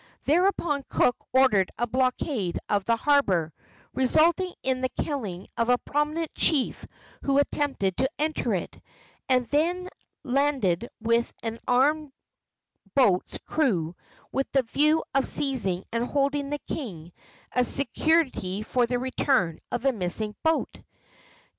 Thereupon Cook ordered a blockade of the harbor, resulting in the killing of a prominent chief who attempted to enter it, and then landed with an armed boat's crew with the view of seizing and holding the king as security for the return of the missing boat.